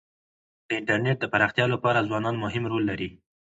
د انټرنيټ د پراختیا لپاره ځوانان مهم رول لري.